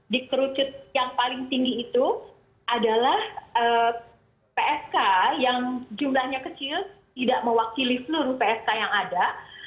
dikerucut yang paling tinggi itu adalah psk yang jumlahnya kecil tidak mewakili seluruh psk yang ada